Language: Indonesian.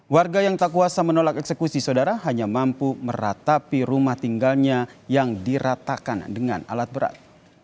warga yang tak kuasa menolak eksekusi saudara hanya mampu meratapi rumah tinggalnya yang diratakan dengan alat berat